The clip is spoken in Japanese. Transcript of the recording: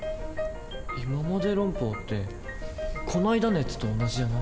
「いままで論法」ってこないだのやつと同じじゃない？